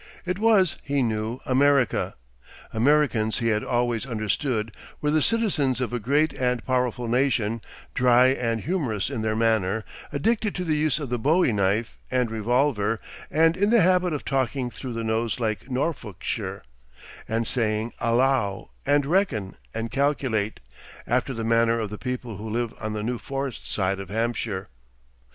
It was, he knew, America. Americans he had always understood were the citizens of a great and powerful nation, dry and humorous in their manner, addicted to the use of the bowie knife and revolver, and in the habit of talking through the nose like Norfolkshire, and saying "allow" and "reckon" and "calculate," after the manner of the people who live on the New Forest side of Hampshire.